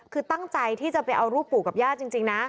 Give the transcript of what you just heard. คือตั้งใจที่จะไปเอารูปปู่กับย่าจริงนะ